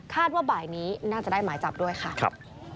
ว่าบ่ายนี้น่าจะได้หมายจับด้วยค่ะ